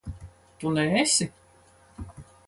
Tu neesi?